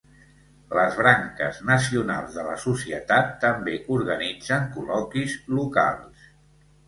Les branques nacionals de la societat també organitzen col·loquis locals.